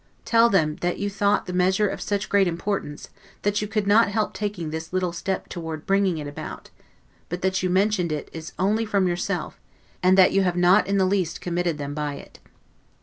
Tell them that you thought the measure of such great importance, that you could not help taking this little step toward bringing it about; but that you mentioned it only as from yourself, and that you have not in the least committed them by it.